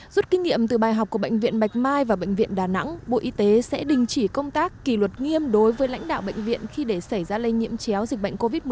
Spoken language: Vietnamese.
rút kinh nghiệm từ bài học của bệnh viện bạch mai và bệnh viện đà nẵng bộ y tế sẽ đình chỉ công tác kỳ luật nghiêm đối với lãnh đạo bệnh viện khi để xảy ra lây nhiễm chéo dịch bệnh covid một mươi chín